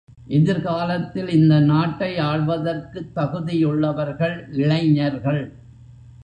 எதிர்காலத்தில் இந்த நாட்டை ஆள்வதற்குத் தகுதியுள்ளவர்கள் இளைஞர்கள்.